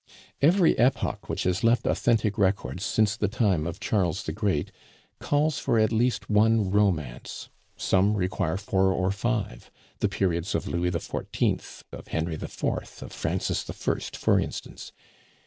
"Every epoch which has left authentic records since the time of Charles the Great calls for at least one romance. Some require four or five; the periods of Louis XIV., of Henry IV., of Francis I., for instance.